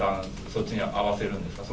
そっちに合わせるんですか？